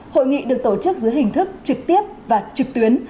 hội nghị được tổ chức dưới hình thức trực tiếp và trực tuyến